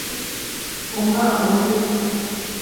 Ò má ó lê.